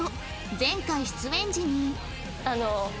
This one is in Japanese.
前回出演時に